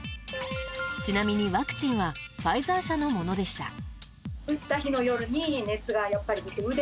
ちなみにワクチンはファイザー社のものでした。